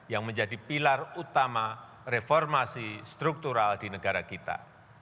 yang menjadi pilar utama reformasi struktural di negara kita